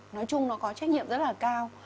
nói chung nó có trách nhiệm rất là cao